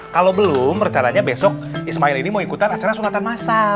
kalau belum rencananya besok ismail ini mau ikutan acara sunatan masal